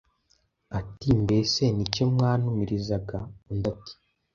ati «Mbese ni cyo mwantumirizaga ?» Undi, ati «